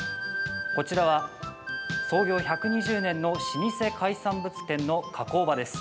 こちらは創業１２０年の老舗海産物の加工場です。